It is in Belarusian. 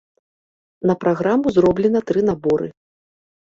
На праграму зроблена тры наборы.